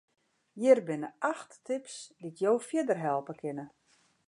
Hjir binne acht tips dy't jo fierder helpe kinne.